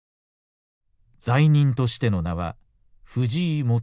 罪人としての名は藤井元彦。